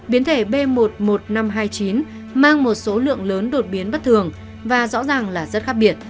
biến thể b một mươi một nghìn năm trăm hai mươi chín mang một số lượng lớn đột biến bất thường và rõ ràng là rất khác biệt